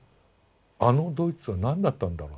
あのドイツは何だったんだろう。